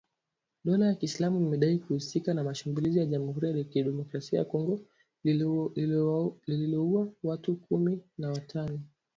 Dola ya Kiislamu limedai kuhusika na shambulizi la Jamhuri ya Kidemokrasi ya Kongo lililouwa watu kumi na watano.